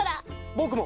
僕も。